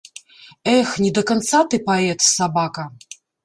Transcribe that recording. Эх, не да канца ты паэт, сабака!